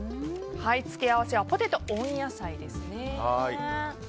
付け合わせはポテトと温野菜ですね。